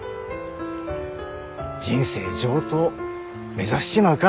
人生上等目指しちまうか。